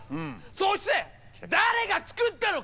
そして誰が作ったのか！？